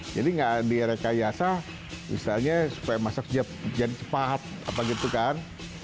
jadi nggak direkayasa misalnya supaya masak jadi cepat apa gitu kan